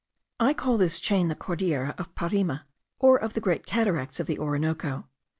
I call this chain the Cordillera of Parime, or of the great cataracts of the Orinoco.